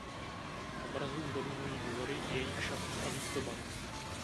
Obrazům dominují vzory jejich šatů a výzdoba.